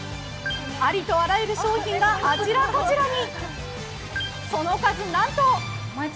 ありとあらゆる商品があちらこちらに。